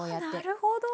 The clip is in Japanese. なるほど。